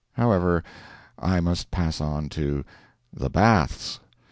However, I must pass on to THE BATHS.